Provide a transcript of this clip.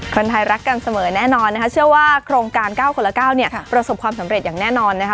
คนไทยรักกันเสมอแน่นอนนะคะเชื่อว่าโครงการ๙คนละ๙เนี่ยประสบความสำเร็จอย่างแน่นอนนะคะ